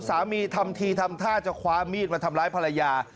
สามีทำทีทำท่าจะคว้ามีดมาทำร้ายภรรยา